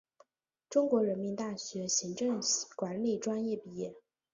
中国人民大学行政管理专业毕业。